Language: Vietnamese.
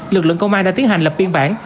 lực lượng công an đã tiến hành lập biên bản